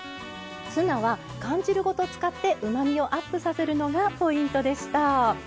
ツナは缶汁ごと使ってうまみをアップさせるのがポイントでした。